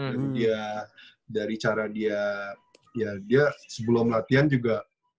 tapi dia dari cara dia ya dia sebelum latihan juga